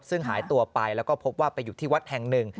ซึ่งหายตัวไปแล้วก็พบว่าไปอยู่ที่วัดแห่งหนึ่ง